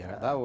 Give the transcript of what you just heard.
ya tidak tahu